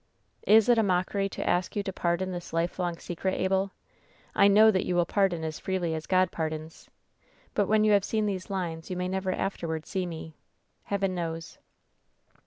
"Is it a mockery to ask you to pardon this lifelong secret, Abel? I know that you will pardon as freely as God pardons. "But when you have seen these lines you may never afterward see me. Heaven knows.